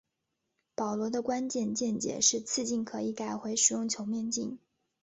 保罗的关键见解是次镜可以改回使用球面镜。